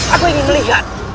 aku ingin melihat